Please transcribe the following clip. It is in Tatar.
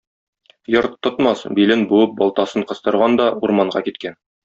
Йорт тотмас билен буып балтасын кыстырган да урманга киткән.